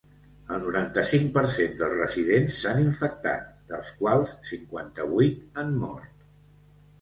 El noranta-cinc per cent dels residents s’han infectat, dels quals cinquanta-vuit han mort.